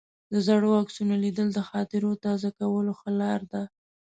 د زړو عکسونو لیدل د خاطرو تازه کولو ښه لار ده.